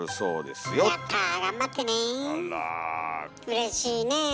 うれしいねえ。